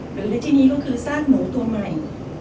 หรือในที่นี้ก็คือซากหมูตัวใหม่